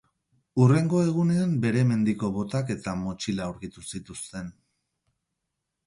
Hurrengo egunean bere mendiko botak eta motxila aurkitu zituzten.